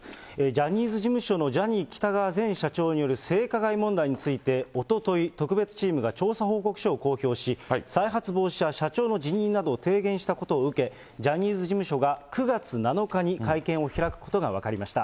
ジャニーズ事務所のジャニー喜多川前社長による性加害問題について、おととい、特別調査チームが調査報告書を公表し、再発防止や社長の辞任などを提言したことを受け、ジャニーズ事務所が９月７日に会見を開くことが分かりました。